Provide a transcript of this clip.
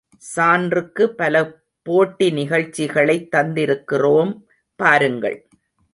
சான்றுக்கு பல போட்டி நிகழ்ச்சிகளைத் தந்திருக்கிறோம் பாருங்கள்.